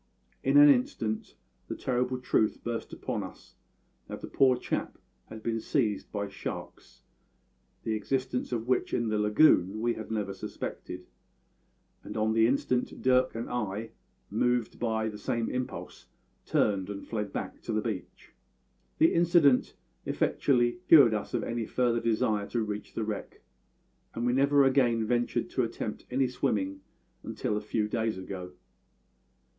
In an instant the terrible truth burst upon us that the poor chap had been seized by sharks the existence of which in the lagoon we had never suspected and on the instant Dirk and I, moved by the same impulse, turned and fled back to the beach. The incident effectually cured us of any further desire to reach the wreck; and we never again ventured to attempt any swimming until a few days ago.